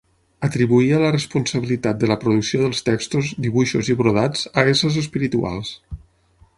Atribuïa la responsabilitat de la producció dels textos, dibuixos i brodats a éssers espirituals.